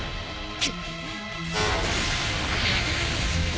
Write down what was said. くっ。